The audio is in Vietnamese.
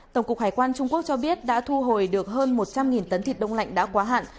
tổng cục hải quan trung quốc cho biết đã thu hồi được hơn một trăm linh tấn thịt đông lạnh đã quá hạn